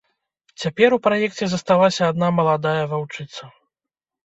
Цяпер у праекце засталася адна маладая ваўчыца.